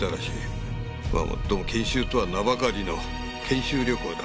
まあもっとも研修とは名ばかりの研修旅行だ。